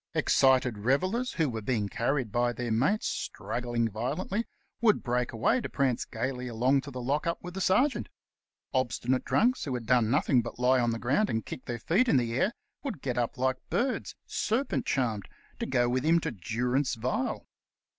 Excited revellers, who were being carried by their mates, struggling violently, would break away to prance gaily along to the lock up with the sergeant. Obstinate drunks who had done nothing but lie on the ground and kick their feet in the air, would get up like birds, serpent charmed, to go with him to durance vile.